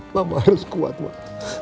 mama harus kuat pak